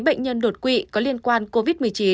bệnh nhân đột quỵ có liên quan covid một mươi chín